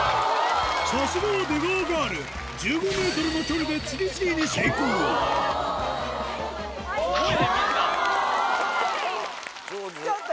さすがは出川ガール１５ｍの距離で次々に成功おぉ！